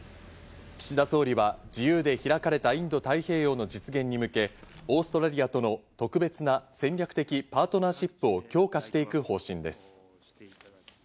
岸田総理は自由で開かれたインド太平洋の実現に向け、オーストラリアとの特別な戦略的パートナーシップを強化していく方針です。